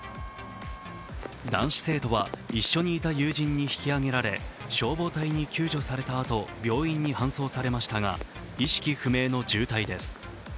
男子生徒は一緒にいた友人に引き上げられ消防隊に救助されたあと病院に搬送されましたが意識不明の重体です。